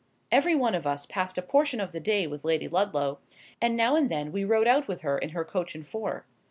Every one of us passed a portion of the day with Lady Ludlow; and now and then we rode out with her in her coach and four.